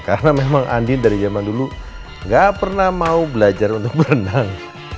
karena memang andin dari zaman dulu gak pernah mau belajar untuk berenang